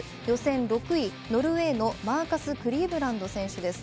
予選６位ノルウェーのマーカス・クリーブランド選手。